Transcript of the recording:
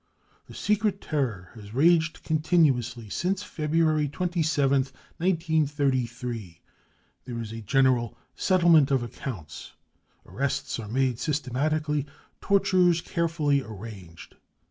The secret terror has raged ' continuously since February 27th, 1933. There is a general J " settlement of accounts." Arrests are made systematically, tortures carefully arranged.